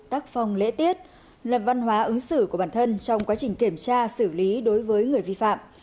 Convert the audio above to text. tác phong lễ tiết lập văn hóa ứng xử của bản thân trong quá trình kiểm tra xử lý đối với người vi phạm